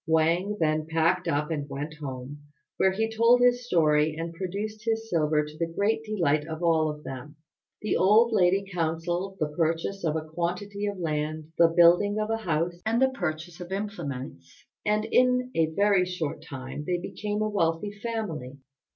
Wang then packed up and went home, where he told his story and produced his silver to the great delight of all of them. The old lady counselled the purchase of a quantity of land, the building of a house, and the purchase of implements; and in a very short time they became a wealthy family.